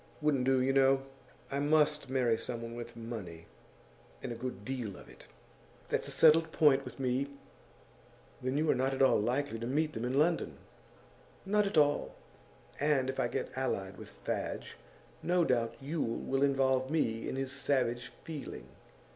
Wouldn't do, you know. I must marry someone with money, and a good deal of it. That's a settled point with me.' 'Then you are not at all likely to meet them in London?' 'Not at all. And if I get allied with Fadge, no doubt Yule will involve me in his savage feeling.